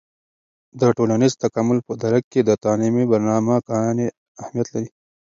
د ټولنیز تکامل په درک کې د تعلیمي برنامه ګانې اهیمت لري.